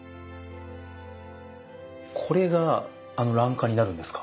これがあの欄干になるんですか？